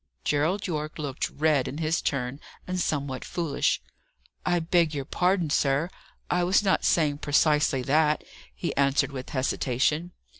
Gerald Yorke looked red in his turn, and somewhat foolish. "I beg your pardon, sir; I was not saying precisely that," he answered with hesitation.